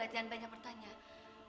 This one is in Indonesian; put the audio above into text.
jangan banyak pertanyaan